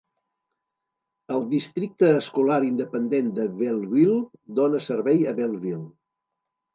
El Districte escolar independent de Bellville dóna servei a Bellville.